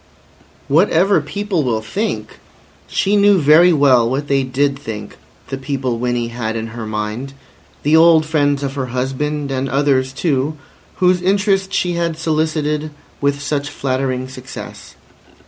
Whatever people will think? She knew very well what they did think, the people Winnie had in her mind—the old friends of her husband, and others too, whose interest she had solicited with such flattering success.